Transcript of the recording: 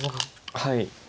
はい。